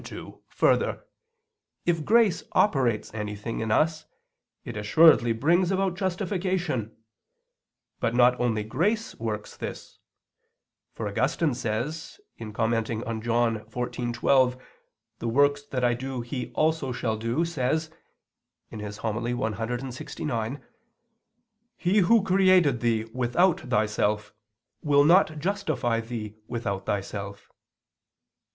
2: Further, if grace operates anything in us it assuredly brings about justification. But not only grace works this. For Augustine says, on John 14:12, "the works that I do he also shall do," says (Serm. clxix): "He Who created thee without thyself, will not justify thee without thyself."